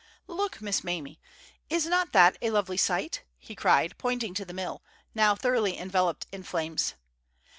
"Look, Miss Mamie, is not that a lovely sight?" he cried, pointing to the mill, now thoroughly enveloped in flames.